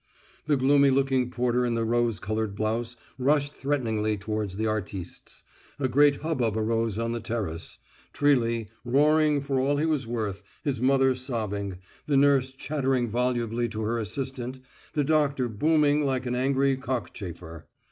The gloomy looking porter in the rose coloured blouse rushed threateningly towards the artistes. A great hubbub arose on the terrace, Trilly roaring for all he was worth, his mother sobbing, the nurse chattering volubly to her assistant, the doctor booming like an angry cockchafer.